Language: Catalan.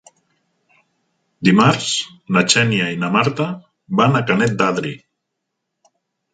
Dimarts na Xènia i na Marta van a Canet d'Adri.